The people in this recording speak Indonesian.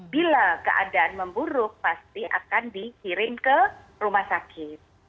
bila keadaan memburuk pasti akan dikirim ke rumah sakit